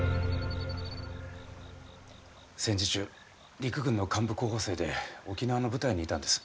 戦時中陸軍の幹部候補生で沖縄の部隊にいたんです。